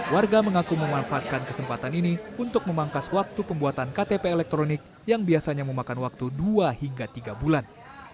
warga mengaku memanfaatkan kesempatan ini untuk memangkas waktu pembuatan ktp elektronik yang biasanya memakan waktu dua hingga tiga bulan